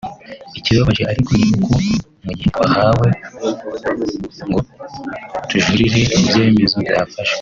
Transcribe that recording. Ikibabaje ariko ni uko mu gihe twahawe ngo tujurire ku byemezo byafashwe